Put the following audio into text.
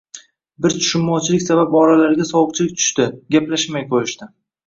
Bir tushunmovchilik sabab oralariga sovuqchilik tushdi, gaplashmay qo`yishdi